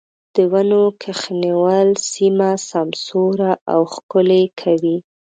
د ونو کښېنول سيمه سمسوره او ښکلې کوي.